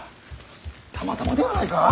たまたまではないか。